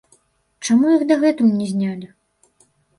Чаму іх дагэтуль не знялі?